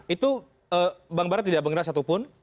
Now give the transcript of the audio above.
itu bang barat tidak mengenal satupun